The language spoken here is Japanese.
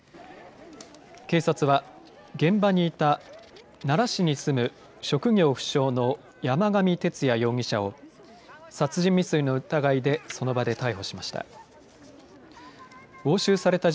警察は現場にいた奈良市に住む職業不詳の山上徹也容疑者を殺人未遂の疑いでその場で逮捕しました。